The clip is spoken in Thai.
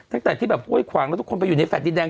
ตั้งแต่ที่แบบห้วยขวางแล้วทุกคนไปอยู่ในแฟลตดินแดง